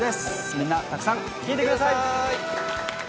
みんなたくさん聴いてください